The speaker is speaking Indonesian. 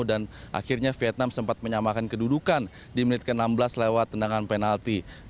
dan akhirnya vietnam sempat menyamakan kedudukan di menit ke enam belas lewat tendangan penalti